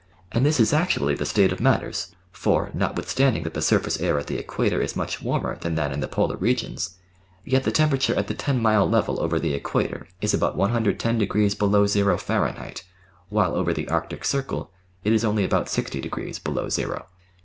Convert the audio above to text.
And this is actually the state of matters, for, notwithstanding that the surface air at the Equator is much warmer than that in the Polar regions, yet the temperature at the ten mile level over the Equator is about 110 degrees below zero Fahrenheit, while over the Arctic Circle it is only about 60 degrees below zero.